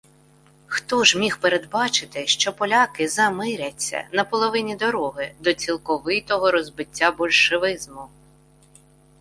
Хто ж міг передбачити, що поляки замиряться на половині дороги до цілковитого розбиття большевизму?